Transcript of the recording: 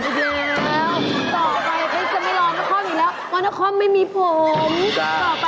ต่อไปเป๊กจะไม่ร้อนนครอีกแล้วว่านครไม่มีผม